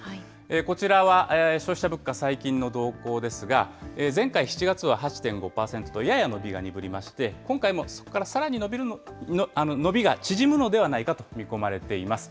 こちらは消費者物価、最近の動向ですが、前回７月は８．５％とやや伸びが鈍りまして、今回もそこからさらに伸びが縮むのではないかと見込まれています。